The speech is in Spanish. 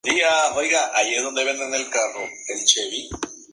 Entre ellos se define un canal aliviadero, en el sentido de la corriente fluvial.